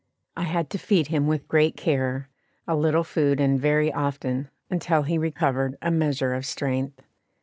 I had to feed him with great care a little food, and very often, until he recovered a measure of strength.